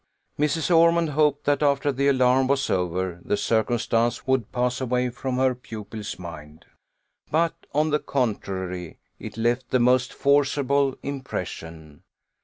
Mrs. Ormond hoped, that after the alarm was over, the circumstance would pass away from her pupil's mind; but on the contrary, it left the most forcible impression.